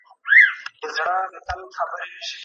د خوشحال خان د مرغلرو قدر څه پیژني